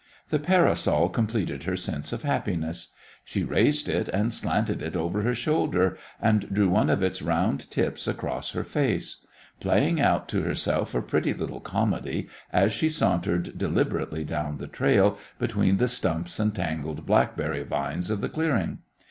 The parasol completed her sense of happiness. She raised it, and slanted it over her shoulder, and drew one of its round tips across her face, playing out to herself a pretty little comedy as she sauntered deliberately down the trail between the stumps and tangled blackberry vines of the clearing.